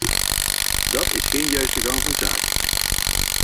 Dat is geen juiste gang van zaken.